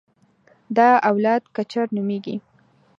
دا اولاد کچر نومېږي.